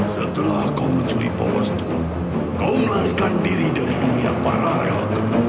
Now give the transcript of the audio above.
setelah kau mencuri power stone kau melarikan diri dari dunia parah yang kedua